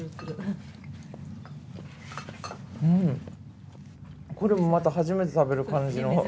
うんこれもまた初めて食べる感じの。